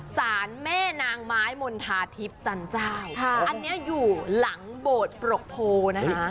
สารแม่นางไม้มณฑาทิพย์จันเจ้าอันนี้อยู่หลังโบสถปรกโพนะคะ